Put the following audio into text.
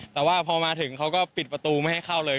แต่ว่าพอมาถึงเขาก็ปิดประตูไม่ให้เข้าเลย